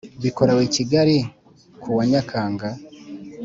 Bikorewe i kigali kuwa nyakanga